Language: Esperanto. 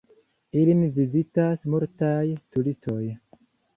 Ilin vizitas multaj turistoj.